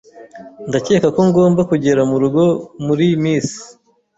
Ndakeka ko ngomba kugera murugo muri miss.